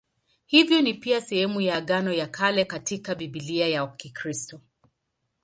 Hivyo ni pia sehemu ya Agano la Kale katika Biblia ya Kikristo.